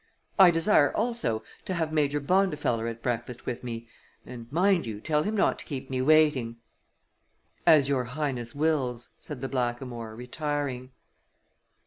I desire, also, to have Major Bondifeller at breakfast with me, and, mind you, tell him not to keep me waiting." "As your Highness wills," said the blackamoor, retiring.